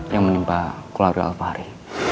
yang menimpa keluarga alvari